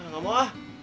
gak mau ah